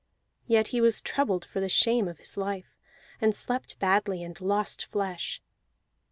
Yet he was troubled for the shame of his life, and slept badly, and lost flesh.